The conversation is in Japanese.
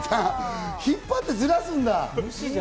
引っ張ってずらすんだ。